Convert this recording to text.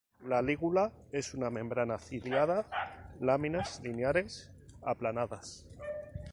La lígula es una membrana ciliada; láminas lineares, aplanadas.